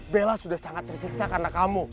bella sudah sangat tersiksa karena kamu